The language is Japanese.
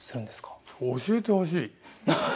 教えてほしい。